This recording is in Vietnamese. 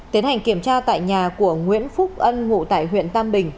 tiến hành kiểm tra tại nhà của nguyễn phúc ân ngụ tại huyện tam bình